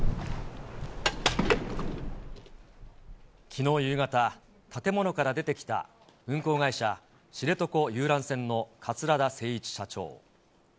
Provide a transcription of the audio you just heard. きのう夕方、建物から出てきた運航会社、知床遊覧船の桂田精一社長。